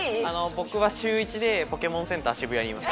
僕は週１でポケモンセンターシブヤにいます。